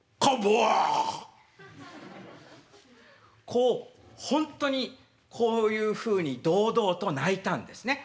こうほんとにこういうふうに堂々と鳴いたんですね。